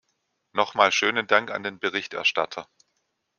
Noch mal schönen Dank an den Berichterstatter!